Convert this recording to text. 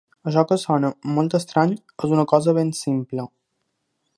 Això que sona molt estrany és una cosa ben simple.